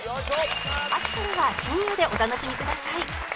秋からは深夜でお楽しみください